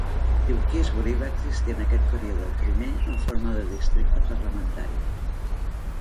Tewkesbury va existir en aquest període, primer en forma de districte parlamentari.